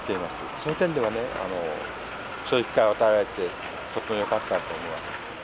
そういう点ではねそういう機会を与えられてとってもよかったと思います。